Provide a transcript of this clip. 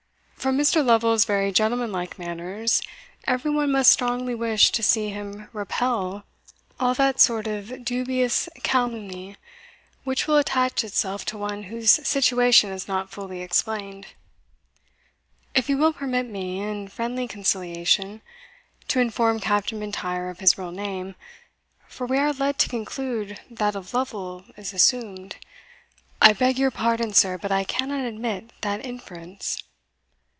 From Mr. Lovel's very gentleman like manners, every one must strongly wish to see him repel all that sort of dubious calumny which will attach itself to one whose situation is not fully explained. If he will permit me, in friendly conciliation, to inform Captain M'Intyre of his real name, for we are led to conclude that of Lovel is assumed" "I beg your pardon, sir, but I cannot admit that inference."